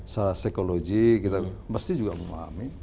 secara psikologi kita mesti juga memahami